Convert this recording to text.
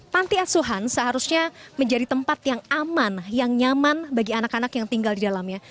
panti asuhan seharusnya menjadi tempat yang aman yang nyaman bagi anak anak yang tinggal di dalamnya